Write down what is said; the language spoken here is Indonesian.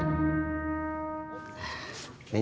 gak ada yang ngerti